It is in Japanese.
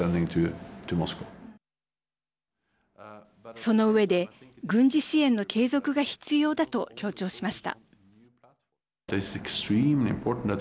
その上で軍事支援の継続が必要だと強調しました。